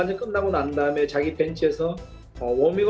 pemain singapura menang di pangkat terakhir